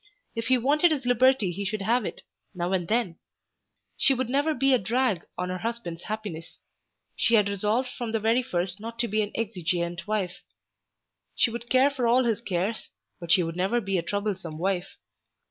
If he wanted his liberty he should have it, now and then. She would never be a drag on her husband's happiness. She had resolved from the very first not to be an exigeant wife. She would care for all his cares, but she would never be a troublesome wife.